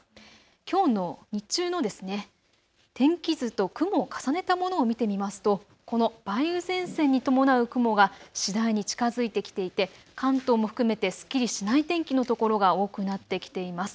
きょうの日中の天気図と雲を重ねたものを見てみますとこの梅雨前線に伴う雲が次第に近づいてきていて関東も含めてすっきりしない天気の所が多くなってきています。